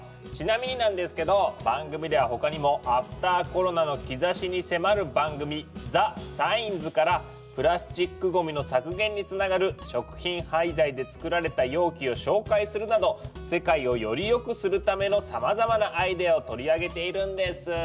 ちなみになんですけど番組では他にもアフターコロナの兆しに迫る番組「ＴｈｅＳｉｇｎｓ」からプラスチックゴミの削減につながる食品廃材で作られた容器を紹介するなど世界をよりよくするためのさまざまなアイデアを取り上げているんです。